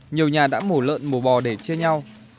nhiều nhà đã mổ lợn mổ bò để chia nhau